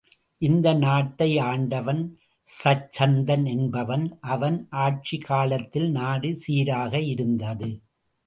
இந்த நாட்டை ஆண்டவன் சச்சந்தன் என்பவன் அவன் ஆட்சிக் காலத்தில் நாடு சீராக இருந்தது.